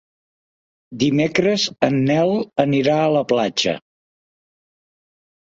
Dimecres en Nel anirà a la platja.